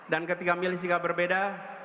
dan ketika memilih sikap berbeda